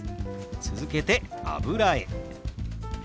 続けて「油絵」。